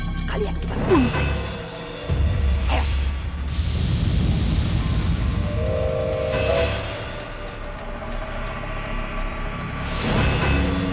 sekalian kita bunuh saja